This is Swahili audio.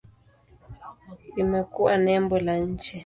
Imekuwa nembo la nchi.